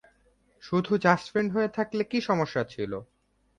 শুধু just friend হয়ে থাকলে কী সমস্যা ছিল?